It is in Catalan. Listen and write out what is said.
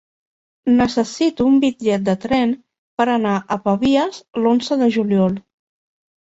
Necessito un bitllet de tren per anar a Pavies l'onze de juliol.